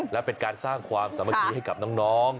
และเป็นการสร้างความสามารถกีกับน้อง